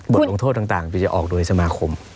บทลงโทษต่างจะออกโดยสมาคม